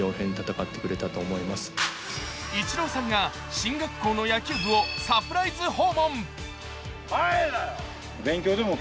イチローさんが進学校の野球部をサプライズ訪問。